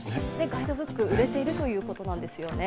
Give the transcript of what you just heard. ガイドブック、売れているということなんですよね。